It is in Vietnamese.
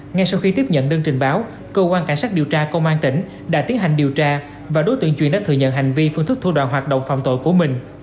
ngay sau khi tiếp nhận đơn trình báo cơ quan cảnh sát điều tra công an tỉnh đã tiến hành điều tra và đối tượng chuyên đã thừa nhận hành vi phương thức thua đoạn hoạt động phạm tội của mình